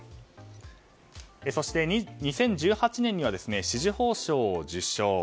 そして２０１８年には紫綬褒章を受章。